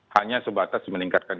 hanya sebatas meningkatkan